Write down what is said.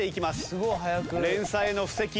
連鎖への布石。